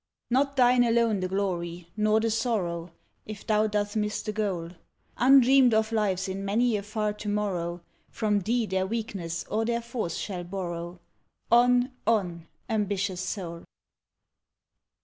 Not thine alone the glory, nor the sorrow, If thou doth miss the goal, Undreamed of lives in many a far to morrow From thee their weakness or their force shall borrow On, on, ambitious soul.